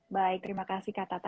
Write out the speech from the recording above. baik terima kasih kak tata